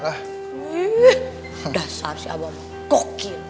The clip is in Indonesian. ih dasar si abah mah gokil